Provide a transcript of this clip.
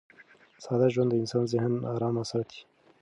ساده ژوند د انسان ذهن ارام ساتي.